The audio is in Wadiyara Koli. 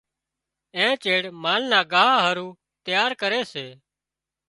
اين چيڙ مال نا ڳاهَ هارُو تياري ڪري سي۔